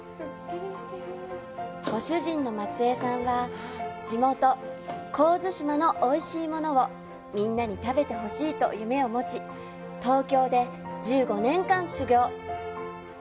ご主人の松江さんは地元神津島のおいしいものをみんなに食べてほしいと夢を持ち東京で１５年間修業。